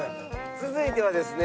続いてはですね。